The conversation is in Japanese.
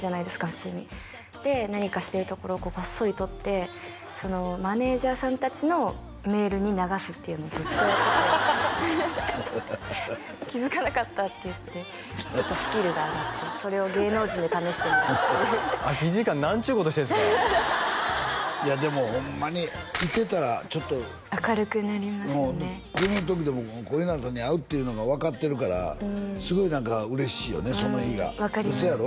普通にで何かしてるところをこっそり撮ってマネージャーさん達のメールに流すっていうのをずっとやってて気づかなかったって言ってちょっとスキルが上がってそれを芸能人で試してみるっていう空き時間何ちゅうことしてんすかいやでもホンマにいてたらちょっと明るくなりますねうんこの時でも小日向に会うっていうのが分かってるからすごい何か嬉しいよねその日がうん分かりますせやろ？